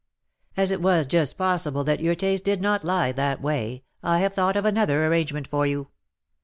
"As it was just possible that your taste did not lie that way, I have thought of another arrangement for you.